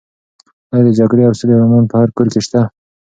ایا د جګړې او سولې رومان په هر کور کې شته؟